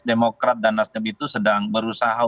demokrat dan nasdem itu sedang berusaha